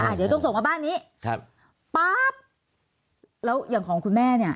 อาจจะต้องส่งมาบ้านนี้ป๊าปแล้วอย่างของคุณแม่เนี่ย